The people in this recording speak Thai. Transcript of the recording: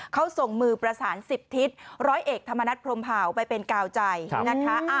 เขาส่งมือประสาน๑๐ทิศร้อยเอกธรรมนัฐพรมเผาไปเป็นกาวใจนะคะ